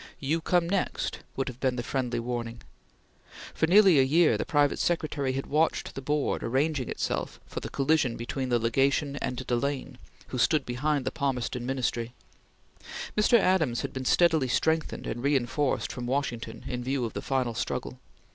"You come next!" would have been the friendly warning. For nearly a year the private secretary had watched the board arranging itself for the collision between the Legation and Delane who stood behind the Palmerston Ministry. Mr. Adams had been steadily strengthened and reenforced from Washington in view of the final struggle.